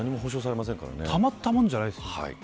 たまったもんじゃないです。